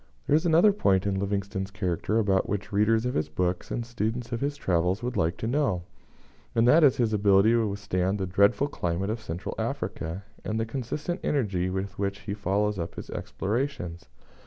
There is another point in Livingstone's character about which readers of his books, and students of his travels, would like to know, and that is his ability to withstand the dreadful climate of Central Africa, and the consistent energy with which he follows up his explorations.